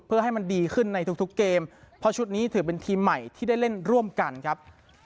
เพื่อให้มันดีขึ้นในทุกทุกเกมเพราะชุดนี้ถือเป็นทีมใหม่ที่ได้เล่นร่วมกันครับ